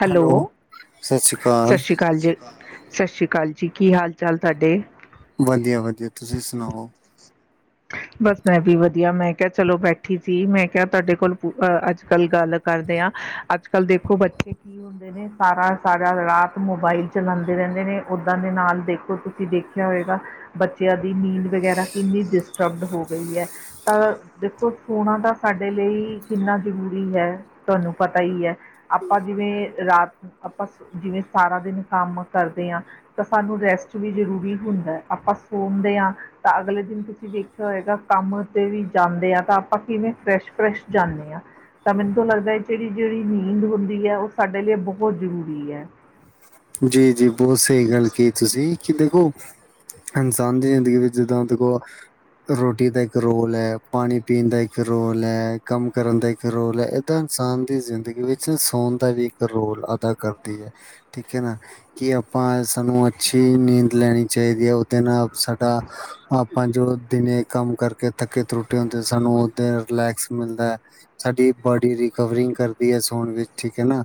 Hello. ਸਤਿ ਸ੍ਰੀ ਅਕਾਲ ਜੀ। ਸਤਿ ਸ਼੍ਰੀ ਅਕਾਲ ਜੀ। ਕੀ ਹਾਲ ਚਾਲ ਤੁਹਾਡੇ? ਵਧੀਆ- ਵਧੀਆ, ਤੁਸੀਂ ਸੁਣਾਓ। ਬਸ ਮੈਂ ਵੀ ਵਧੀਆ। ਮੈਂ ਕਿਹਾ ਚਲੋ ਬੈਠੀ ਸੀ। ਮੈਂ ਕਿਹਾ ਤੁਹਾਡੇ ਕੋਲ ਅੱਜ ਕੱਲ ਗੱਲ ਕਰਦੇ ਹਾਂ‌‌। ਅੱਜ ਕੱਲ ਦੇਖੋ ਬੱਚੇ ਕੀ ਹੁੰਦੇ ਨੇ, ਸਾਰਾ ਸਾਰਾ ਰਾਤ ਮੋਬਾਈਲ ਚਲਾਉਂਦੇ ਰਹਿੰਦੇ ਨੇ, ਓਦਾਂ ਦੇ ਨਾਲ ਦੇਖੋ ਤੁਸੀਂ ਦੇਖਿਆ ਹੋਏਗਾ। ਬੱਚਿਆਂ ਦੀ ਨੀਂਦ ਵਗੈਰਾ ਕਿੰਨੀ ਡਿਸਟਰਬਡ ਹੋ ਗਈ ਹੈ। ਆ ਦੇਖੋ ਸੋਣਾ ਤਾਂ ਸਾਡੇ ਲਈ ਕਿੰਨਾ ਜ਼ਰੂਰੀ ਹੈ। ਤੁਹਾਨੂੰ ਪਤਾ ਹੀ ਹੈ। ਆਪਾਂ ਜਿਵੇਂ ਰਾਤ ਆਪਾਂ ਜਿਵੇਂ, ਸਾਰਾ ਦਿਨ ਕੰਮ ਕਰਦੇ ਆ। ਤਾਂ ਸਾਨੂੰ ਰੈਸਟ ਵੀ ਜ਼ਰੂਰੀ ਹੁੰਦਾ ਹੈ। ਆਪਾਂ ਸੋਦੇ ਹਾਂ। ਤਾਂ ਅਗਲੇ ਦਿਨ ਤੁਸੀਂ ਵਖ ਦੇਖਿਆ ਹੋਏਗਾ‌ ਕੰਮ ਤੇ ਵੀ ਜਾਂਦੇ ਆਪਾਂ ਕਿਵੇਂ ਫਰੈਸ਼- ਫਰੈਸ਼ ਜਾਂਦੇ ਆ। ਤਾਂ ਮੈਨੂੰ ਤਾ ਲੱਗਦਾ ਹੈ। ਜਿਹੜੀ-ਜਿਹੜੀ ਨੀਂਦ ਹੁੰਦੀ ਹੈ। ਉਹ ਸਾਡੇ ਲਈ ਬਹੁਤ ਜ਼ਰੂਰੀ ਐ। ਜੀ ਜੀ। ਬਹੁਤ ਸਹੀ ਗੱਲ ਕੀ ਤੁਸੀਂ, ਕਿ ਦੇਖੋ ਇਨਸਾਨ ਦੀ [unintelligible] ਜਿੱਦਾਂ ਦੇਖੋ ਰੋਟੀ ਦਾ ਇੱਕ ਰੋਲ ਹੈ। ਪਾਣੀ ਪੀਣ ਦਾ ਇੱਕ ਰੋਲ ਹੈ। ਕੰਮ ਕਰਨ ਦਾ ਇੱਕ ਰੋਲ ਹੈ। ਇਨਸਾਨ ਦੀ ਜ਼ਿੰਦਗੀ ਵਿੱਚ ਸੌਣ ਦਾ ਵੀ ਇੱਕ ਰੋਲ ਅਦਾ ਕਰਦੀ ਹੈ। ਠੀਕ ਹੈਨਾ, ਕਿ ਆਪਾਂ ਸਾਨੂੰ ਅੱਛੀ ਨੀਂਦ ਲੈਣੀ ਚਾਹੀਦੀ ਹੈ। ਉਹਦੇ ਨਾਲ ਸਾਡਾ ਆਪਾਂ ਜੋ ਦਿਨੇ ਕੰਮ ਕਰਕੇ ਥੱਕੇ ਤਰੁੱਟੇ ਹੁੰਦੇ ਸਾਨੂੰ ਉਹਦੇ ਰਿਲੈਕਸ ਮਿਲਦਾ। ਸਾਡੀ ਬੋਡੀ ਰਿਕਵਰਿੰਗ ਕਰਦੀ ਹੈ ਸੋਣ ਵਿੱਚ ਠੀਕ ਏ ਨਾ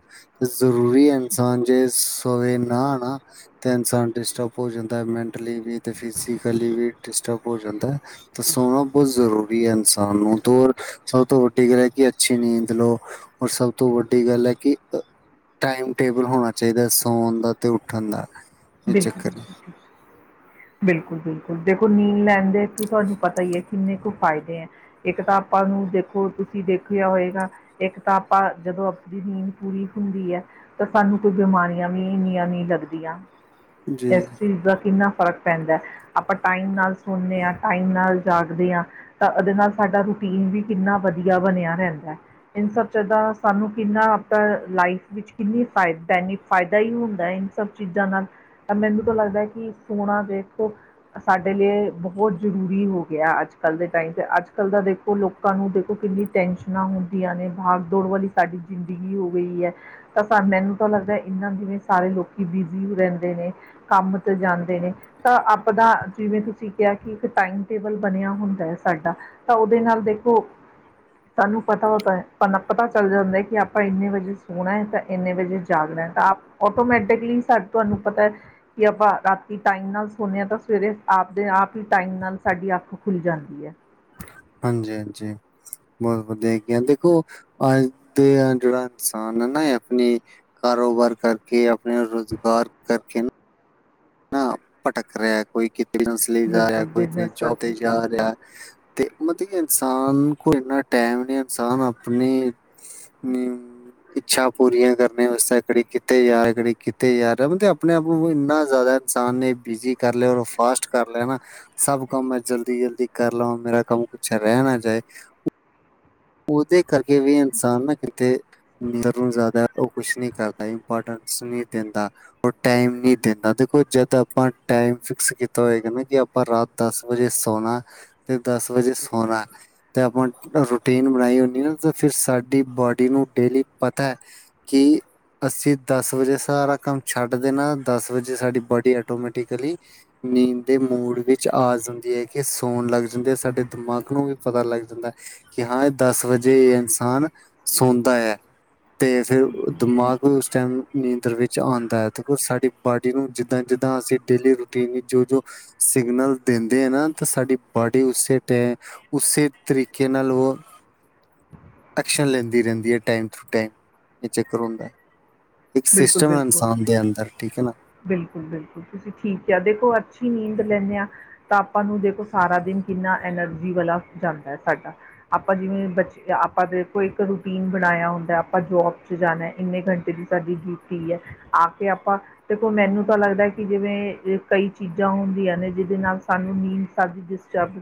ਜ਼ਰੂਰੀ ਏ ਇਨਸਾਨ ਜੇ ਸੋਵੇ ਨਾ-ਨਾ ਤੇ ਇਨਸਾਨ ਡਿਸਟਰਬ ਹੋ ਜਾਂਦਾ ਮੈਟਲੀ ਵੀ ਤੇ ਫਿਜ਼ੀਕਲੀ ਵੀ ਡਿਸਟਰਬ ਹੋ ਜਾਂਦੈ। ਤਾ ਸੋਣਾ ਬੋਤ ਜ਼ਰੂਰੀ ਹੈ ਇਨਸਾਨ ਨੂੰ ਤੋਰ ਸਭ ਤੋਂ ਵੱਡੀ ਗੱਲ ਐ ਕਿ ਅੱਛੀ ਨੀਂਦ ਲਓ ਔਰ ਸਭ ਤੋਂ ਵੱਡੀ ਗੱਲ ਐ ਕਿ ਟਾਈਮ ਟੇਬਲ ਹੋਣਾ ਚਾਹੀਦਾ ਸੌਣ ਦਾ ਤੇ ਉੱਠਣ ਦਾ। ਇਹ ਚੱਕਰ ਬਿਲਕੁਲ ਬਿਲਕੁਲ-ਬਿਲਕੁਲ ਦੇਖੋ ਨੀਂਦ ਲੈਣ ਦੇ ਥ ਤੁਹਾਨੂੰ ਪਤਾ ਈ ਏ ਕਿੰਨੇ ਕੁ ਫਾਇਦੇ ਐ। ਇੱਕ ਤਾਂ ਆਪਾਂ ਨੂੰ ਦੇਖੋ ਤੁਸੀਂ ਦੇਖਿਆ ਹੋਏਗਾ ਇੱਕ ਤਾਂ ਆਪਾਂ ਜਦੋਂ ਆਪਦੀ ਨੀਂਦ ਪੂਰੀ ਹੁੰਦੀ ਹੈ। ਤਾਂ ਸਾਨੂੰ ਕੋਈ ਬਿਮਾਰੀਆਂ ਵੀ ਇੰਨੀਆਂ ਨਈ ਲੱਗਦੀਆਂ ਹੈ ਜੀ ਇਸ ਚੀਜ਼ ਦਾ ਕਿੰਨਾ ਫ਼ਰਕ ਪੈਂਦਾ ਆਪਾਂ ਟਾਈਮ ਨਾਲ ਸੋਣੇ ਆਂ ਟਾਈਮ ਨਾਲ ਜਾਗਦੇ ਆਂ। ਤਾਂ ਉਹਦੇ ਨਾਲ ਸਾਡਾ ਰੂਟੀਨ ਵੀ ਕਿੰਨਾ ਵਧੀਆ ਬਣਿਆ ਰੈਂਦਾ। ਇਨ ਸਭ ਚੀਜ ਦਾ ਸਾਨੂੰ ਕਿੰਨਾ ਆਪਣਾ ਲਾਈਫ ਵਿੱਚ ਕਿੰਨੀ ਫਾਇ ਬੈਨੀ ਫਾਇਦਾ ਹੀ ਹੁੰਦਾ ਐ। ਸਭ ਚੀਜ਼ਾਂ ਨਾਲ ਮੈਨੂੰ ਤਾਂ ਲੱਗਦਾ ਹੈ ਕਿ ਸੋਹਣਾ ਦੇਖੋ। ਸਾਡੇ ਲਈ ਬਹੁਤ ਜ਼ਰੂਰੀ ਹੋ ਗਿਆ ਅੱਜ ਕੱਲ੍ਹ ਦੇ ਟਾਈਮ ਤੇ ਅੱਜ ਕੱਲ੍ਹ ਦਾ ਦੇਖੋ ਲੋਕ ਲੋਕਾਂ ਨੂੰ ਦੇਖੋ ਕਿੰਨੀ ਟੈਨਸ਼ਨਾਂ ਹੁੰਦੀਆਂ ਨੇ ਭਾਗ ਦੌੜ ਵਾਲੀ ਸਾਡੀ ਜ਼ਿੰਦਗੀ ਹੋ ਗਈ ਐ। ਤਾਂ ਸਾ ਮੈਨੂੰ ਤਾਂ ਲੱਗਦਾ ਇਹਨਾਂ ਜਿਵੇਂ ਸਾਰੇ ਲੋਕ ਬਿਜ਼ੀ ਈ ਰੈਂਦ ਰੈਂਦੇ ਨੇ ਕੰਮ ਤੇ ਜਾਂਦੇ ਨੇ। ਤਾਂ ਆਪਣਾ ਜਿਵੇਂ ਤੁਸੀਂ ਕਿਆ ਕਿ ਇੱਕ ਟਾਈਮ ਟੇਬਲ ਬਣਿਆ ਹੁੰਦਾ ਏ ਸਾਡਾ ਤਾਂ ਉਹਦੇ ਨਾਲ ਦੇਖੋ ਸਾਨੂੰ ਪਤਾ ਹੋਤਾਂ ਹੈ ਸਾਨੂੰ ਆਪ ਪਤਾ ਚੱਲ ਜਾਂਦਾ ਕਿ ਆਪਾਂ ਇੰਨੇ ਵਜੇ ਸੋਣਾ ਐ ਤੇ ਇੰਨੇ ਵਜੇ ਜਾਗਣਾ ਤਾਂ ਟੋਮੈਟਿਕਲੀ ਸਾਨੂੰ ਤੁਹਾਨੂੰ ਪਤਾ ਐ। ਕਿ ਆਪਾਂ ਰਾਤੀ ਟਾਈਮ ਨਾਲ ਸੋਣੇ ਆਂ ਤਾਂ ਸਵੇਰੇ ਆਪਦੇ ਆਪ ਹੀ ਟਾਈਮ ਨਾਲ ਸਾਡੀ ਅੱਖ ਖੁੱਲ ਜਾਂਦੀ ਹੈ। ਹਾਂਜੀ-ਹਾਂਜੀ ਬੋਤ ਵਧੀਆ ਹੈਗੀਆਂ ਦੇਖੋ ਅੱਜ ਦਾ ਜੇੜਾ ਇਨਸਾਨ ਹੈ ਨਾ ਇਹ ਆਪਣੀ ਕਾਰੋਬਾਰ ਕਰਕੇ ਆਪਣੇ ਰੁਜ਼ਗਾਰ ਕਰਕੇ ਨਾ ਨਾ ਭਟਕ ਰਿਆ ਕੋਈ ਕਿਤੇ ਬਿਜਨਸ ਲਈ ਜਾ ਰਿਆ ਬਿਲਕੁਲ ਕੋਈ ਬਿਜ਼ਨਸ ਜੋਬ ਕਰਕੇ ਤੇ ਜਾ ਰਿਆ। ਤੇ ਮਤਲਬ ਕਿ ਇਨਸਾਨ ਕੋਲ ਇੰਨਾ ਟਾਈਮ ਨਈ ਆ ਇਨਸਾਨ ਆਪਣੇ ਮੀਊਂ ਇੱਛਾ ਪੂਰੀਆਂ ਕਰਨੇ ਵਾਸਤੇ ਕਦੀ ਕਿੱਥੇ ਜਾ ਰਏ ਕਦੀ ਕਿੱਥੇ ਜਾ ਰਏ ਮਤਲਬ ਆਪਣੇ ਆਪ ਨੂੰ ਇੰਨਾ ਜਾਦਾ ਇਨਸਾਨ ਨੇ ਬਿਜ਼ੀ ਕਰ ਲਿਆ ਔਰ ਫਾਸਟ ਕਰ ਲਿਆ ਨਾ ਸਭ ਕੰਮ ਮੈਂ ਜਲਦੀ-ਜਲਦੀ ਕਰਲਾਂਵਾ ਮੇਰਾ ਕੰਮ ਕੁੱਛ ਰੈ ਨਾ ਜਾਏ ਉਹਦੇ ਕਰਕੇ ਵੀ ਇਨਸਾਨ ਨਾ ਕਿਤੇ ਮੇਰਾ ਗੁਣ ਜਾਦਾ ਓ ਕੁਛ ਨਈ ਕਰਦਾ ਇੰਪੋਟੈਂਸ ਨਈ ਦੇਂਦਾ। ਓ ਟੈਮ ਨੀ ਦਿੰਦਾ ਦੇਖੋ ਜਦ ਆਪਾਂ ਟੈਮ ਫਿਕਸ ਕੀਤਾ ਹੋਏਗਾ ਨਾ ਕਿ ਅ ਆਪਾਂ ਰਾਤ ਦਸ ਵਜੇ ਸੋਣਾ ਤੇ ਦਸ ਵਜੇ ਸੋਣਾ ਤੇ ਆਪਾਂ ਰੁ ਰੂਟੀਨ ਬਣਾਈ ਹੁੰਦੀ ਐ ਤਾਂ ਫਿਰ ਸਾਡੀ ਬੋਡੀ ਨੂੰ ਡੇਲੀ ਪਤਾ ਕੀ ਅਸੀਂ ਦਸ ਵਜੇ ਸਾਰਾ ਕੰਮ ਛੱਡ ਦੇਣਾ ਦਸ ਵਜੇ ਸਾਡੀ ਬੋਡੀ ਆਟੋਮੈਟੀਕਲੀ ਨੀਂਦ ਦੇ ਮੂਡ ਵਿੱਚ ਆ ਜਾਂਦੀ ਹੈ ਕਿ ਸੋਣ ਲੱਗ ਜਾਂਦੇ ਹੈ ਸਾਡੇ ਦਿਮਾਗ ਨੂੰ ਵੀ ਪਤਾ ਲੱਗ ਜਾਂਦਾ। ਕਿ ਹਾਂ ਇਹ ਦਸ ਵਜੇ ਇਹ ਇਨਸਾਨ ਸੋਂਦੈ। ਤੇ ਫਿਰ ਦਿਮਾਗ ਵੀ ਉਸ ਟੈਮ ਨੀਂਦਰ ਵਿੱਚ ਆਉਦਾ ਤੇ ਸਾਡੀ ਬਾਡੀ ਨੂੰ ਜਿੱਦਾਂ-ਜਿੱਦਾਂ ਅਸੀਂ ਡੇਲੀ ਰੂਟੀਨ ਜੋ-ਜੋ ਸਿਗਨਲ ਦਿੰਦੇ ਹਨਾ ਤਾਂ ਸਾਡੀ ਬਾਡੀ ਉਸੇ ਟੈਮ ਉਸੇ ਤਰੀਕੇ [unintelligible] ਐਕਸ਼ਨ ਲੈਂਦੀ ਰਹਿੰਦੀ ਏ ਟਾਈਮ ਟੂ ਟਾਈਮ ਇਹ ਚੱਕਰ ਹੁੰਦਾ ਇੱਕ ਸਿਸਟਮ ਏ ਇਨਸਾਨ ਦੇ ਅੰਦਰ, ਠੀਕ ਹੈ ਨਾ ਬਿਲਕੁਲ-ਬਿਲਕੁਲ ਤੁਸੀਂ ਠੀਕ ਕਿਆ, ਦੇਖੋ ਅੱਛੀ ਨੀਂਦ ਲੈਂਣੇ ਆ ਤਾਂ ਆਪਾਂ ਨੂੰ ਦੇਖੋ, ਸਾਰਾ ਦਿਨ ਕਿੰਨਾ ਐਨਰਜੀ ਵਾਲਾ ਜਾਂਦਾ ਐ ਸਾਡਾ ਆਪਾਂ ਜਿਵੇਂ ਬਚ, ਆਪਾਂ ਦੇ ਕੋਈ ਇੱਕ ਰੂਟੀਨ ਬਣਾਇਆ ਹੁੰਦਾ। ਆਪਾਂ ਜੋਬ ਚ ਜਾਨਾ ਇੰਨੇ ਘੰਟੇ ਦੀ ਸਾਡੀ ਡਿਊਟੀ ਹੈ ਆ ਕੇ ਆਪਾਂ ਦੇਖੋ, ਮੈਨੂੰ ਤਾਂ ਲੱਗਦਾ ਕਿ ਜਿਵੇਂ ਕਈ ਚੀਜ਼ਾਂ ਹੁੰਦੀਆਂ ਨੇ, ਜਿਦੇ ਨਾਲ ਸਾਨੂੰ ਨੀਂਦ ਚਾਬੀ,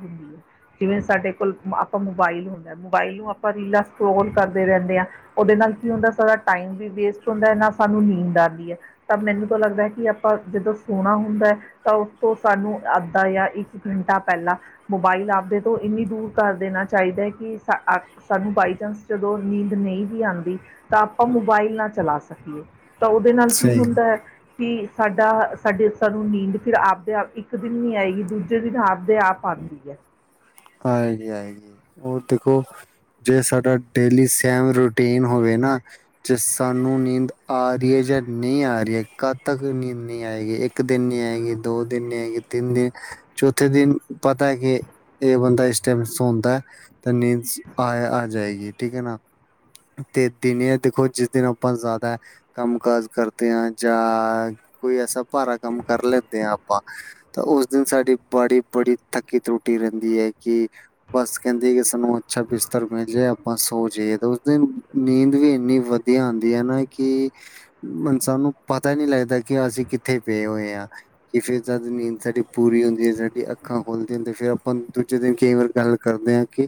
ਜਿਵੇਂ ਸਾਡੇ ਕੋਲ ਆਪਾਂ ਮੋਬਾਈਲ ਹੁੰਦਾ ਏ ਮੋਬਾਈਲ ਨੂੰ ਆਪਾਂ ਰੀਲਾਂ ਸਕੋਲ ਕਰਦੇ ਰਹਿੰਦੇ ਆ, ਉਦੇ ਨਾਲ ਕੀ ਹੁੰਦਾ ਸਾਰਾ ਟਾਈਮ ਵੀ ਵੇਸਟ ਸੁਨੰਦਾ ਨਾ ਸਾਨੂੰ ਨੀਂਦ ਆਂਦੀ ਹੈ, ਤਾਂ ਮੈਨੂੰ ਤਾਂ ਲੱਗਦਾ ਏ ਕਿ ਆਪਾਂ ਜਦੋਂ ਸੋਣਾ ਹੁੰਦਾ ਹੈ ਤਾਂ ਉਸ ਤੋਂ ਸਾਨੂੰ ਅੱਧਾ ਯਾ ਇੱਕ ਘੰਟਾ ਪਹਿਲਾਂ ਮੋਬਾਈਲ ਆਪਦੇ ਤੋਂ ਇੰਨੀ ਦੂਰ ਕਰ ਦੇਣਾ ਚਾਹੀਦਾ ਏ ਕਿ ਸਾ ਆ ਸਾਨੂੰ ਬਾਈ ਚਾਂਸ ਜਦੋਂ ਨੀਂਦ ਨਈ ਵੀ ਆਂਦੀ, ਤਾਂ ਆਪਾਂ ਮੋਬਾਈਲ ਨਾ ਚਲਾ ਸਕੀਏ ਤਾਂ, ਉਦੇ ਨਾਲ ਕੀ ਸਹੀ ਹੁੰਦਾ ਏ ਵੀ, ਸਾਡਾ, ਸਾਡੇ, ਸਾਨੂੰ ਨੀਂਦ ਫਿਰ ਆਪਦੇ ਆਪ ਇੱਕ ਦਿਨ ਨੀ ਆਏਗੀ, ਦੂਜੇ ਦਿਨ ਆਪਦੇ ਆਪ ਆ [unintelligible] ਆਏਗੀ ਆਏਗੀ ਹੋਰ ਦੇਖੋ ਜੇ ਸਾਡਾ ਡੇਲੀ ਸੈਮ ਰੂਟੀਨ ਹੋਵੇ ਨਾ ਜੇ ਸਾਨੂੰ ਨੀਂਦ ਆ ਰੀਏ ਜਾਂ ਨਈ ਆ ਰੀਏ, ਕਦ ਤੱਕ ਨੀਂਦ ਨਈ ਆਏਗੀ ਇੱਕ ਇੱਕ ਦਿਨ ਨੀ ਆਏਗੀ, ਦੋ ਦਿਨ ਨੀ ਆਏਗੀ, ਤਿੰਨ ਦਿਨ, ਚੌਥੇ ਦਿਨ ਪਤਾ ਏ ਕਿ ਇਹ ਬੰਦਾ ਇਸ ਟਾਈਮ ਸੌਂਦਾ, ਐ ਤੇ ਨੀਂਦ ਚ ਆਯ-ਆ ਜਾਏਗੀ, ਠੀਕ ਹੈ ਨਾ ਤੇ ਦਿਨੇ ਏ ਦੇਖੋ ਜਿਸ ਦਿਨ ਆਪਾਂ ਜਾਦਾ ਕੰਮ-ਕਾਜ ਕਰਦੇ ਆ ਜਾਂ, ਕੋਈ ਐਸਾ ਭਾਰਾ ਕੰਮ ਕਰ ਲੈਂਦੇ ਆ ਆਪਾਂ ਤਾਂ ਉਸ ਦਿਨ ਸਾਡੀ ਬਾੱਡੀ ਬੜੀ ਥੱਕੀ-ਟੁੱਟੀ ਰਹਿੰਦੀ ਏ ਕਿ ਬੱਸ ਕਹਿੰਦੀ ਏ ਕਿ ਸਾਨੂੰ ਅੱਛਾ ਬਿਸਤਰ ਮਿਲ ਜਾਏ ਆਪਾਂ ਸੋ ਜਾਈਏ ਤੇ ਉਸ ਦਿਨ, ਨੀਂਦ ਵੀ ਇੰਨੀ ਵਦ ਦਿਆ ਆੰਦੀ ਨਾ ਏ ਕੀ ਮਨ ਸਾਨੂੰ ਪਤਾ ਈ ਨਈ ਲੱਗਦਾ ਕਿ ਅਸੀਂ ਕਿੱਥੇ ਪਏ ਹੋਏ ਆ ਕਿ ਫਿਰ ਜਦ ਨੀਂਦ ਸਾਡੀ ਪੂਰੀ ਹੁੰਦੀ ਏ, ਸਾਡੀ ਅੱਖਾਂ ਖੂਲ੍ਹਦੀਆ ਨੇ ਤੇ ਫਿਰ ਆਪਾ ਹੂਣ ਦੂਜੇ ਦਿਨ ਕਈ ਵਾਰ ਗੱਲ ਕਰਦੇ ਆ ਕਿ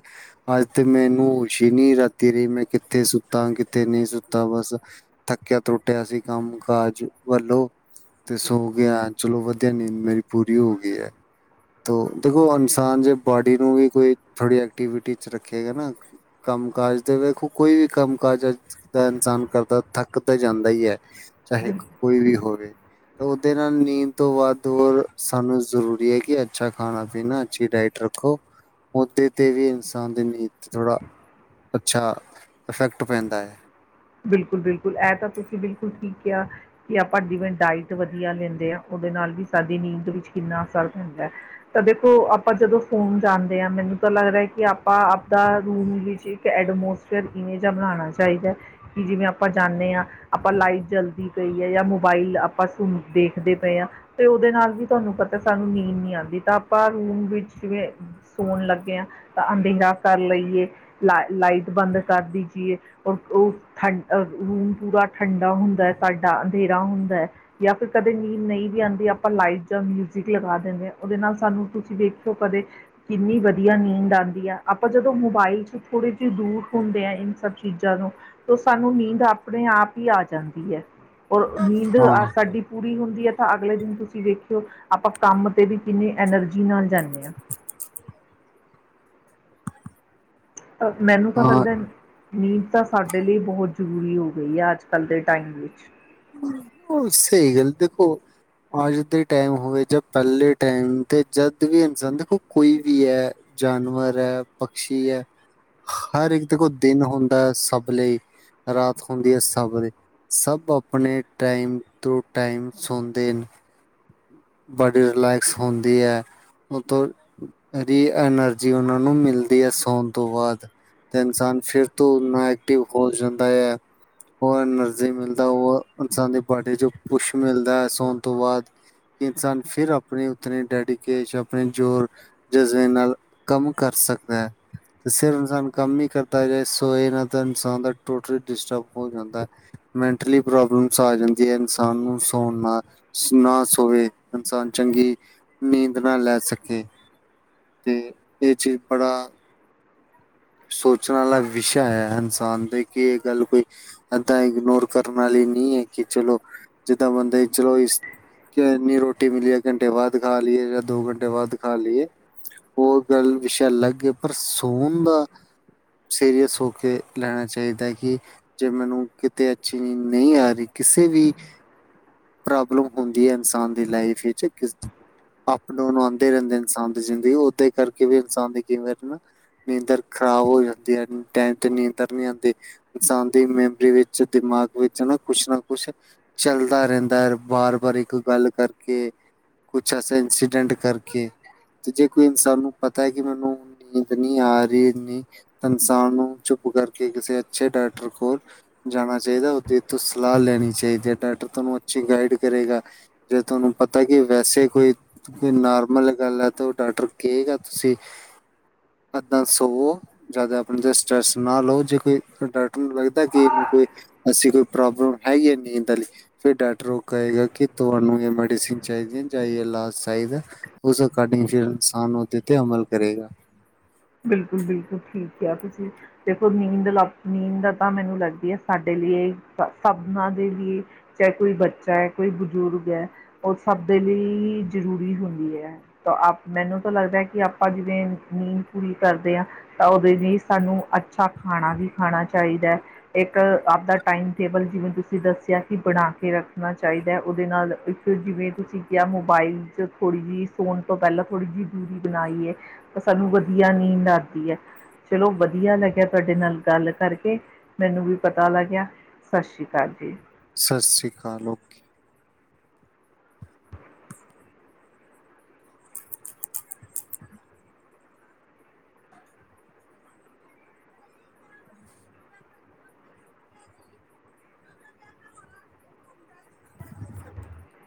ਅੱਜ ਤੇ ਮੈਨੂੰ ਹੋਸ਼ ਈ ਨੀ ਰਾਤੀ ਰਹੀ, ਮੈਂ ਕਿੱਥੇ ਸੁੱਤਾ, ਕਿੱਥੇ ਨਈ ਸੁੱਤਾ ਬਸ ਥੱਕਿਆ-ਤੁੱਟਿਆ ਸੀ ਕੰਮ-ਕਾਜ ਵੱਲੋਂ ਤੇ ਸੋ ਗਿਆ ਚਲੋ ਵਧੀਆ ਨੀਂਦ ਮੇਰੀ ਪੂਰੀ ਹੋ ਗਈ ਐ, ਤੋ ਦੇਖੋ ਔਂਸ ਹਾਂ ਜੇ ਬਾੱਡੀ ਨੂੰ ਵੀ ਕੋਈ, ਥੋੜੀ ਐਕਟੀਵਿਟੀ ਚ ਰੱਖੇਗਾ ਨਾ ਕੰਮ-ਕਾਜ ਤੇ ਵੇਖੋ ਕੋਈ ਵੀ ਕੰਮ-ਕਾਜ ਅੱਜ ਤਾ, ਇਨਸਾਨ ਕਰਦਾ ਥੱਕ ਤਾਂ ਜਾਂਦਾ ਈ ਐ, ਚਾਹੇ ਹੈ ਕੋਈ ਵੀ ਹੋਵੇ ਉਦੇ ਨਾਲ ਨੀਂਦ ਤੋਂ ਵੱਧ ਹੋਰ, ਸਾਨੂੰ ਜ਼ਰੂਰੀ ਏ ਕਿ ਅੱਛਾ ਖਾਣਾ-ਪੀਣਾ ਅਛੀ ਡਾਇਟ ਰੱਖੋ, ਉੱਤੇ ਤੇ ਵੀ ਇਨਸਾਨ ਦੀ ਨੀਂਦ ਚ ਥੋੜਾ ਅੱਛਾ, ਅਫੈਕਟ ਪੈਂਦਾ ਏ ਬਿਲਕੁਲ-ਬਿਲਕੁਲ ਐ ਤਾਂ ਤੁਸੀਂ ਬਿਲਕੁਲ ਠੀਕ ਕਿਆ ਕਿ ਆਪਾਂ ਜਿਵੇਂ ਡਾਇਟ ਵਦੀਆ ਲੈਂਦੇ ਆ ਉਦੇ ਨਾਲ ਵੀ ਸਾਡੀ ਨੀਂਦ ਵਿੱਚ ਕਿੰਨਾ ਫਰਕ ਹੁੰਦਾ ਏ ਤਾਂ ਦੇਖੋ, ਆਪਾਂ ਜਦੋਂ ਸੋਨ ਜਾਂਦੇ ਹਾਂ ਮੈਨੂੰ ਤਾਂ ਲੱਗਦਾ ਕਿ ਆਪਾਂ ਆਪਦਾ ਰੂਮ ਵਿੱਚ ਕੇ ਐਡਮੋਸਫੇਅਰ ਇਵੇਂ ਜੇਆ ਬਣਾਣਾ ਚਾਹੀਦਾ ਕਿ, ਜਿਵੇਂ ਆਪਾਂ ਜਾਣੇ ਹਾਂ ਆਪਾਂ ਲਾਈਟ ਜਲਦੀ ਪਈ ਏ ਯਾ ਮੋਬਾਈਲ ਆਪਾਂ ਸੁਣ, ਦੇਖਦੇ ਪਏ ਹਾ ਤੇ ਉਦੇ ਨਾਲ ਵੀ ਤੁਆਨੂੰ ਪਤਾ ਸਾਨੂੰ ਨੀਂਦ ਨੀ ਆਂਦੀ, ਤਾਂ ਆਪਾਂ ਰੂਮ ਵਿੱਚ ਜਿਵੇਂ ਸੋਣ ਲੱਗੇ ਹਾਂ, ਤਾਂ ਅੰਧੇਰਾ ਕਰ ਲਈਏ। ਲਾ, ਲਾਈਟ ਬੰਦ ਕਰ ਦੀ ਜੀਏ ਉਹ ਓ ਠੰਡ ਅ, ਰੂਮ ਪੂਰਾ ਠੰਡਾ ਹੁੰਦਾ ਏ ਸਾਡਾ ਅੰਧੇਰਾ ਹੁੰਦਾ ਏ। ਯਾ ਫਿਰ ਕਦੇ ਨੀਂਦ ਨਈ ਵੀ ਆਂਦੀ ਆਪਾਂ ਲਾਈਟ ਜਾਂ ਮਿਊਜ਼ਿਕ ਲਗਾ ਦਿੰਦੇ ਹਾਂ ਉਦੇ ਨਾਲ ਸਾਨੂੰ ਤੁਸੀਂ ਵੇਖੋ ਕਦੇ ਕਿੰਨੀ ਵਧੀਆ ਨੀਂਦ ਆਂਦੀ ਆ ਆਪਾਂ ਜਦੋਂ ਮੋਬਾਇਲ ਚ ਥੋੜੇ ਜੇ ਦੂਰ ਹੁੰਦੇ ਆ ਇਨ ਸਭ ਚੀਜ਼ਾਂ ਨੂੰ ਤੋ, ਸਾਨੂੰ ਨੀਂਦ ਆਪਣੇ ਆਪ ਹੀ ਆ ਜਾਂਦੀ ਏ, ਔਰ ਨੀਂਦ ਹਾਂ ਅ ਸਾਡੀ ਪੂਰੀ ਹੁੰਦੀ ਹੈ ਤਾਂ ਅਗਲੇ ਦਿਨ ਤੁਸੀਂ ਵੇਖਿਓ ਆਪਾਂ ਕੰਮ ਤੇ ਵੀ ਕਿੰਨੀ ਐਨਰਜੀ ਨਾਲ ਜਾਂਦੇ ਹਾਂ। ਅ ਮੈਨੂੰ ਤਾਂ ਹਾਂ ਲੱਗਦਾ ਨੀਂਦ ਤਾਂ ਸਾਡੇ ਲਈ ਬਹੁਤ ਜ਼ਰੂਰੀ ਹੋ ਗਈ ਹੈ ਅੱਜ ਕੱਲ ਦੇ ਟਾਈਮ ਵਿੱਚ। ਓਹ ਸਹੀ ਗੱਲ ਦੇਖੋ ਅੱਜ ਦੇ ਟਾਈਮ ਹੋਵੇ ਜਾਂ ਪੈਲੇ ਟਾਈਮ ਤੇ ਜਦ ਵੀ ਇਨਸਾਨ ਦੇਖੋ ਕੋਈ ਵੀ ਹੈ ਜਾਨਵਰ ਹੈ ਪਕਸ਼ੀ ਹੈ ਹਰ ਇੱਕ ਦੇਖੋ ਦਿਨ ਹੁੰਦਾ ਹੈ ਸਭ ਲਈ ਰਾਤ ਹੁੰਦੀ ਹੈ ਸਭ ਦੇ ਸਭ ਆਪਣੇ ਟਾਈਮ ਤੋਂ ਟਾਈਮ ਸੌੰਦੇ ਨੇ ਬਾੱਡੀ ਰਿਲੈਕਸ ਹੁੰਦੀ ਹੈ। ਓਤੋ ਰੀ ਐਨਰਜੀ ਉਹਨਾਂ ਨੂੰ ਮਿਲਦੀ ਹੈ ਸੌਣ ਤੋਂ ਬਾਅਦ। ਤੇ ਇਨਸਾਨ ਫੇਰ ਤੋਂ ਉਨਾ ਐਕਟਿਵ ਹੋ ਜਾਂਦਾ ਹੈ। ਉਹ ਐਨਰਜੀ ਮਿਲਦਾ ਉਹ ਇਨਸਾਨ ਦੀ ਬਾੱਡੀ ਚੋ ਪੁਸ਼ ਮਿਲਦਾ ਹੈ ਸੌਣ ਤੋਂ ਬਾਅਦ। ਕਿ ਇਨਸਾਨ ਫੇਰ ਆਪਣੇ ਉਤਣੇ ਡੈਡੀਕੇਸ਼ ਆਪਣੇ ਜ਼ੋਰ ਜਜ਼ਬੇ ਨਾਲ ਕੰਮ ਕਰ ਸਕਦਾ ਹੈ। ਸਿਰ ਇਨਸਾਨ ਕੰਮ ਨੀ ਕਰਦਾ ਸੋਏ ਨਾ ਤਾਂ ਇਨਸਾਨ ਦਾ ਟੋਟਲੀ ਡਿਸਟਰਬ ਹੋ ਜਾਂਦਾ। ਮੈਂਟਲੀ ਪ੍ਰੋਬਲਮਸ ਆ ਜਾਂਦੀ ਹੈ ਇਨਸਾਨ ਨੂੰ ਸੌਣ ਨਾ ਨਾ ਸੋਵੇ ਇਨਸਾਨ ਚੰਗੀ ਨੀਂਦ ਨਾ ਲੈ ਸਕੇ ਤੇ ਇਹ ਚੀਜ਼ ਬੜਾ ਸੋਚਣ ਵਾਲਾ ਵਿਸ਼ਾ ਹੈ ਇਨਸਾਨ ਦੇ ਕਿ ਇਹ ਗੱਲ ਕੋਈ ਏਦਾਂ ਇਗਨੋਰ ਕਰਨ ਵਾਲੀ ਨਹੀਂ ਹੈ ਕਿ ਚਲੋ ਜਿੱਦਾਂ ਬੰਦਾ ਚਲੋ ਇਸ ਕਿ ਇੰਨੀ ਰੋਟੀ ਮਿਲੀਏ ਘੰਟੇ ਬਾਅਦ ਖਾ ਲਈਏ ਜਾਂ ਦੋ ਘੰਟੇ ਬਾਅਦ ਖਾ ਲਈਏ। ਉਹ ਗੱਲ ਵਿਸ਼ਾ ਅਲੱਗ ਹੈ ਪਰ ਸੋਣ ਦਾ ਸੀਰੀਅਸ ਹੋ ਕੇ ਲੈਣਾ ਚਾਹੀਦਾ ਕਿ ਜੇ ਮੈਨੂੰ ਕਿਤੇ ਅੱਛੀ ਨੀਂਦ ਨਹੀਂ ਆ ਰਹੀ ਕਿਸੇ ਵੀ ਪ੍ਰੋਬਲਮ ਹੁੰਦੀ ਹੈ ਇਨਸਾਨ ਦੀ ਲਾਈਫ ਵਿੱਚ ਅਪ ਡਾਊਨ ਆਉਂਦੇ ਰਹਿੰਦੇ ਇਨਸਾਨ ਦੀ ਜ਼ਿੰਦਗੀ ਓਦੇ ਕਰਕੇ ਵੀ ਇਨਸਾਨ ਦੀ ਕੀਮਤ ਨਾ ਨੀਂਦਰ ਖ਼ਰਾਬ ਹੋ ਜਾਂਦੀ ਆ ਟੈਮ ਤੇ ਨੀਂਦਰ ਨਹੀਂ ਆਂਦੀ। ਇਨਸਾਨ ਦੀ ਮੈਬਰੀ ਵਿੱਚ ਦਿਮਾਗ ਵਿੱਚ ਨਾ ਕੁਛ ਨਾ ਕੁਛ ਚੱਲਦਾ ਰਹਿੰਦਾ ਹੈ ਵਾਰ ਵਾਰ ਇੱਕ ਗੱਲ ਕਰਕੇ। ਕੁਛ ਐਸਾ ਇੰਸੀਡੈਂਟ ਕਰਕੇ। ਤੇ ਜੇ ਕੋਈ ਇਨਸਾਨ ਨੂੰ ਪਤਾ ਕਿ ਮੈਨੂੰ ਨੀਂਦ ਨਹੀਂ ਆ ਰਹੀ ਤੇ ਇਨਸਾਨ ਨੂੰ ਚੁੱਪ ਕਰਕੇ ਕਿਸੇ ਅੱਛੇ ਡਾਕਟਰ ਕੋਲ ਜਾਣਾ ਚਾਹੀਦਾ ਉਹਦੇ ਤੋਂ ਸਲਾਹ ਲੈਣੀ ਚਾਹੀਦੀ ਹੈ ਡਾਕਟਰ ਤੁਹਾਨੂੰ ਅੱਛੀ ਗਾਈਡ ਕਰੇਗਾ। ਜੇ ਤੁਹਾਨੂੰ ਪਤਾ ਕਿ ਵੈਸੇ ਕੋਈ ਨੋਰਮਲ ਗੱਲ ਹੈ ਤੇ ਉਹ ਡਾਕਟਰ ਕੇਗਾ ਤੁਸੀਂ [unintelligible] ਜਾਦਾ ਆਪਣੇ ਤੇ ਸਟਰੈਸ ਨਾ ਲਓ ਜੇ ਕੋਈ ਡਾਕਟਰ ਨੂੰ ਲੱਗਦਾ ਕਿ ਇਹਨੂੰ ਕੋ ਐਸੀਂ ਕੋਈ ਪ੍ਰੋਬਲਮ ਹੈਈ ਐ ਨੀਂਦ ਆਲੀ ਫੇਰ ਡਾਕਟਰ ਉਹ ਕਹੇਗਾ ਕਿ ਤੁਹਾਨੂੰ ਇਹ ਮੈਡੀਸਨ ਚਾਹੀਦੀਆਂ ਜਾਂ ਇਹ ਇਲਾਜ ਚਾਹੀਦਾ ਉਸ ਅਕਡਿੰਗ ਫੇਰ ਇਨਸਾਨ ਉਹਦੇ ਤੇ ਅਮਲ ਕਰੇਗਾ। ਬਿਲਕੁਲ -ਬਿਲਕੁਲ ਠੀਕ ਕਿਹਾ ਤੁਸੀਂ। ਦੇਖੋ ਨੀਂਦ ਲ ਨੀਂਦ ਤਾਂ ਮੈਨੂੰ ਲੱਗਦੀ ਹੈ ਸਾਡੇ ਲਈ ਸਭਨਾਂ ਦੇ ਵੀ ਚਾਹੇ ਕੋਈ ਬੱਚਾ ਹੈ ਕੋਈ ਬਜ਼ੁਰਗ ਹੈ ਉਹ ਸਭ ਦੇ ਲਈ ਜ਼ਰੂਰੀ ਹੁੰਦੀ ਹੈ। ਤਾਂ ਮੈਨੂੰ ਤਾਂ ਲੱਗਦਾ ਹੈ ਕਿ ਆਪਾਂ ਜਿਵੇਂ ਨੀਂਦ ਪੂਰੀ ਕਰਦੇ ਹਾਂ ਤਾਂ ਉਹਦੇ ਲਈ ਸਾਨੂੰ ਅੱਛਾ ਖਾਣਾ ਵੀ ਖਾਣਾ ਚਾਹੀਦਾ ਹੈ। ਇੱਕ ਆਪਦਾ ਟਾਈਮ ਟੇਬਲ ਜਿਵੇਂ ਤੁਸੀਂ ਦੱਸਿਆ ਕਿ ਬਣਾ ਕੇ ਰੱਖਣਾ ਚਾਹੀਦਾ ਉਹਦੇ ਨਾਲ ਫੇਰ ਜਿਵੇਂ ਤੁਸੀਂ ਕਿਹਾ ਮੋਬਾਈਲ ਚ ਥੋੜ੍ਹੀ ਜਿਹੀ ਸੋਣ ਤੋਂ ਪਹਿਲਾਂ ਥੋੜ੍ਹੀ ਜਿਹੀ ਦੂਰੀ ਬਣਾਈ ਏ ਤਾਂ ਸਾਨੂੰ ਵਧੀਆ ਨੀਂਦ ਆਓੰਦੀ ਹੈ। ਚਲੋ ਵਧੀਆ ਲੱਗਿਆ ਤੁਹਾਡੇ ਨਾਲ ਗੱਲ ਕਰਕੇ ਮੈਨੂੰ ਵੀ ਪਤਾ ਲੱਗਿਆ ਸਤਿ ਸ਼੍ਰੀ ਅਕਾਲ ਜੀ। ਸਤਿ ਸ਼੍ਰੀ ਅਕਾਲ ਓਕੇ। [inaudible]